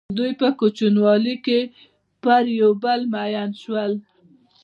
دوی په کوچنیوالي کې په یو بل مئین شول.